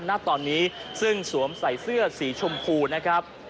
ณตอนนี้ซึ่งสวมใส่เสื้อสีชมพูนะครับ